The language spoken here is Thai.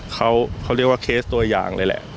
เขาเรียกว่าเคสตัวอย่างเลยแหละ